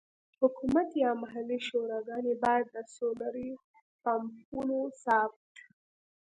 حکومت یا محلي شوراګانې باید د سولري پمپونو ثبت.